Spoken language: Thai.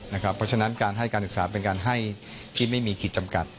เพราะฉะนั้นการให้การศึกษาเป็นการให้ที่ไม่มีขีดจำกัด